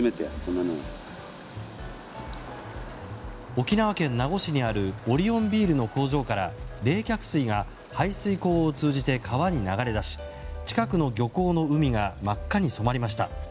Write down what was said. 沖縄県名護市にあるオリオンビールの工場から冷却水が排水溝を通じて川に流れ出し近くの漁港の海が真っ赤に染まりました。